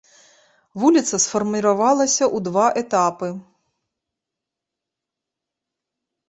Вуліца сфарміравалася ў два этапы.